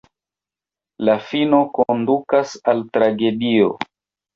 La fino kondukas al tragedio.